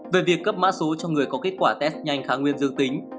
về việc cấp mã số cho người có kết quả test nhanh kháng nguyên dương tính